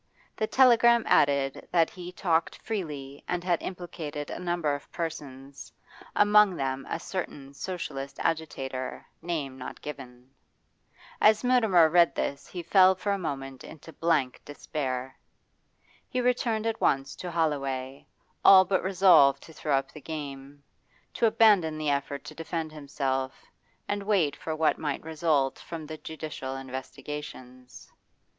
The telegram added that he talked freely and had implicated a number of persons among them a certain Socialist agitator, name not given. As Mutimer read this he fell for a moment into blank despair. He returned at once to Holloway, all but resolved to throw up the game to abandon the effort to defend himself, and wait for what might result from the judicial investigations.